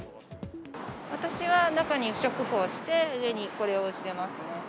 私は中に不織布をして、上にこれをしてます。